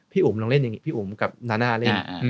อุ๋มลองเล่นอย่างนี้พี่อุ๋มกับนาน่าเล่น